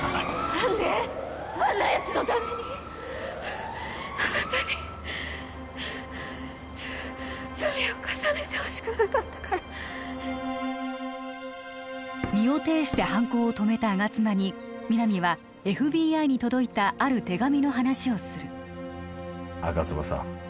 何であんなやつのためにあなたにつ罪を重ねてほしくなかったから身をていして犯行を止めた吾妻に皆実はＦＢＩに届いたある手紙の話をする吾妻さん